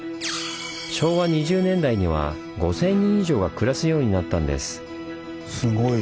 昭和２０年代には５，０００人以上が暮らすようになったんです。